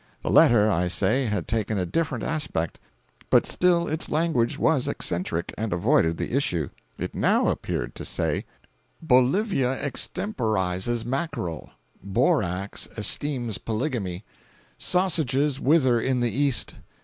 The letter, I say, had taken a different aspect, but still its language was eccentric and avoided the issue. It now appeared to say: "Bolivia extemporizes mackerel; borax esteems polygamy; sausages wither in the east.